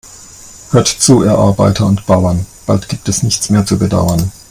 Hört zu, ihr Arbeiter und Bauern, bald gibt es nichts mehr zu bedauern.